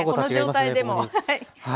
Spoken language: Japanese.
この状態でも。